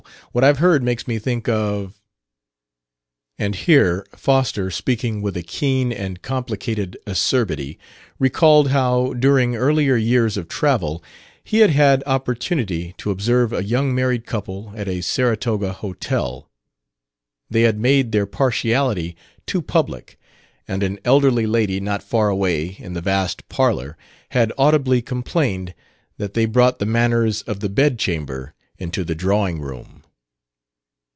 What I've heard makes me think of " And here, Foster, speaking with a keen and complicated acerbity, recalled how, during earlier years of travel, he had had opportunity to observe a young married couple at a Saratoga hotel. They had made their partiality too public, and an elderly lady not far away in the vast "parlor" had audibly complained that they brought the manners of the bed chamber into the drawing room.